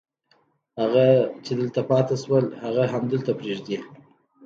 هغه چې پاتې شول هغه همدلته پرېږدي.